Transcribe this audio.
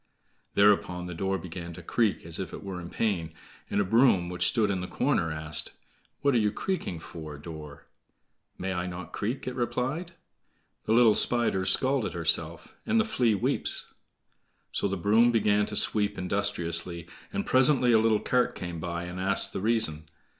Thereupon the door began to creak as if it were in pain; and a broom, which stood in the corner, asked, "What are you creaking for, door?" "May I not creak?" it replied: "The little Spider's scalt herself, And the Flea weeps." So the broom began to sweep industriously, and presently a little cart came by, and asked the reason.